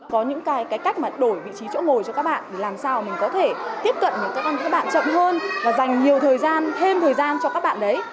có những cái cách mà đổi vị trí chỗ ngồi cho các bạn để làm sao mình có thể tiếp cận để các con các bạn chậm hơn và dành nhiều thời gian thêm thời gian cho các bạn đấy